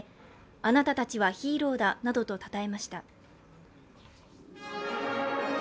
あなたたちはヒーローだなどとたたえました。